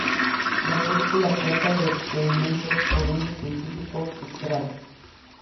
La película trata de experimentos por un científico frustrado.